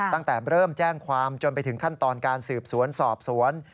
ตั้งแต่เริ่มแจ้งความจนไปถึงขั้นตอนการสืบสวนสอบสวน